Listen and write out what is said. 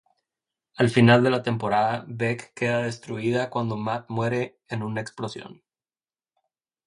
Al final de la temporada Bec queda destruida cuando Matt muere en una explosión.